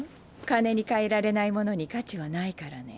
金に換えられないものに価値はないからね。